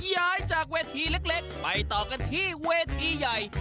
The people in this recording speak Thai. ย้ายจากเวทีเล็กไปต่อกันที่เวทีใหญ่